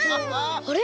あれ？